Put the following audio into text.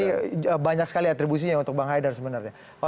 ini banyak sekali atribusinya untuk bang haidar sebenarnya